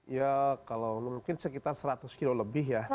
ya kalau mungkin sekitar seratus kilo lebih ya